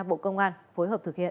bộ công an phối hợp thực hiện